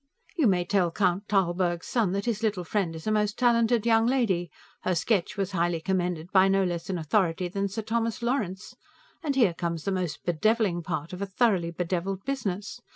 You may tell Count Tarlburg's son that his little friend is a most talented young lady; her sketch was highly commended by no less an authority than Sir Thomas Lawrence, and here comes the most bedeviling part of a thoroughly bedeviled business.